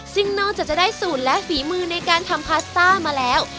ซึ่งนอกจากจะได้สูตรและฝีมือในการทำพาสต้ามาแล้ว